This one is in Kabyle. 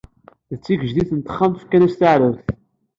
D tigejdit n texxamt fkan-s taɛrurt.